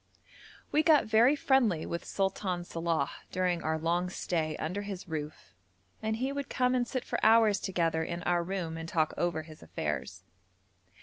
We got very friendly with Sultan Salàh during our long stay under his roof, and he would come and sit for hours together in our room and talk over his affairs.